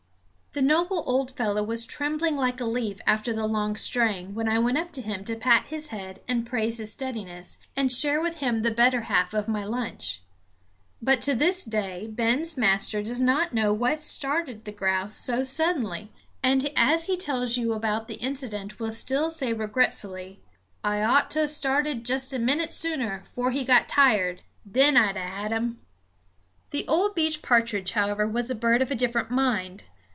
The noble old fellow was trembling like a leaf after the long strain when I went up to him to pat his head and praise his steadiness, and share with him the better half of my lunch. But to this day Ben's master does not know what started the grouse so suddenly; and as he tells you about the incident will still say regretfully: "I ought to a started jest a minute sooner, 'fore he got tired. Then I'd a had 'im." The old beech partridge, however, was a bird of a different mind.